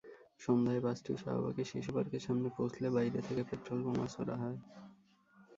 সন্ধ্যায় বাসটি শাহবাগে শিশুপার্কের সামনে পৌঁছলে বাইরে থেকে পেট্রলবোমা ছোড়া হয়।